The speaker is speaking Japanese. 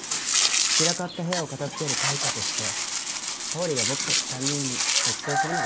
散らかった部屋を片付ける対価として倒理が僕たち３人にごちそうするのがルールだった。